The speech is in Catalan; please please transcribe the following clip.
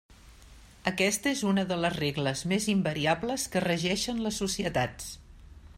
Aquesta és una de les regles més invariables que regeixen les societats.